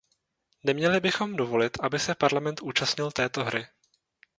Neměli bychom dovolit, aby se Parlament účastnil této hry.